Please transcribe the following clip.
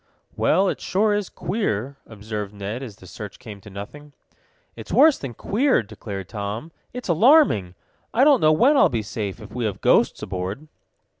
"Well, it sure is queer," observed Ned, as the search came to nothing. "It's worse than queer," declared Tom, "it's alarming! I don't know when I'll be safe if we have ghosts aboard."